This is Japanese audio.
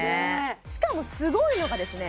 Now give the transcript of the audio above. しかもすごいのがですね